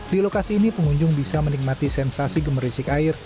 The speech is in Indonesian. di lokasi ini pengunjung bisa menikmati sensasi gemerisik air